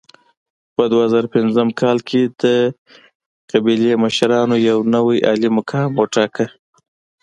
په دوه زره پنځم کال کې د قبیلې مشرانو یو نوی عالي مقام وټاکه.